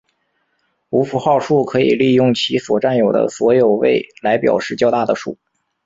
无符号数可以利用其所占有的所有位来表示较大的数。